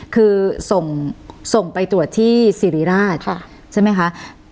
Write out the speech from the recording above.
คือส่งไปตรวจที่สิริราชใช่ไหมคะ